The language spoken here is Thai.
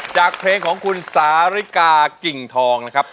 จากเพลงของคุณสาริกากิ่งทองนะครับ